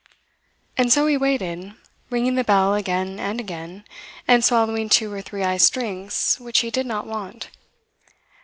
And so he waited, ringing the bell again and again, and swallowing two or three iced drinks which he did not want.